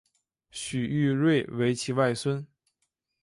许育瑞为其外孙。